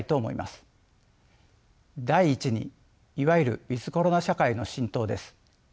第１にいわゆるｗｉｔｈコロナ社会の浸透です。